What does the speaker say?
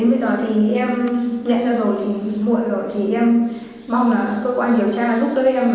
đến bây giờ thì em nhận ra rồi thì muộn rồi thì em mong là cơ quan điều tra giúp đỡ em